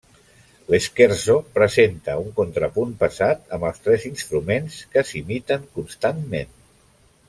L'scherzo presenta un contrapunt pesat, amb els tres instruments que s'imiten constantment.